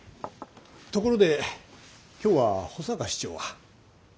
ところで今日は保坂市長は？